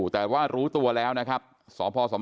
ตรงนี้คือหน้านี้เข้าไปในซอย